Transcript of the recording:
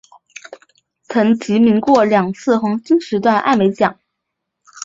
曾提名过两次黄金时段艾美奖。